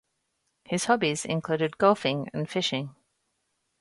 His hobbies included golfing and fishing.